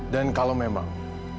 dan kalau memang